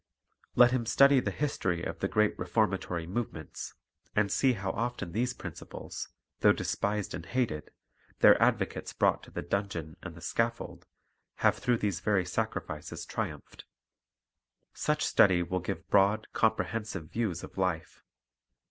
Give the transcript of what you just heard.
Let him study the history of the great reformatory movements, and see how often these principles, though despised and hated, their advocates brought to the dungeon and the scaf fold, have through these veiy sacrifices triumphed. Such study will give broad, comprehensive views of life.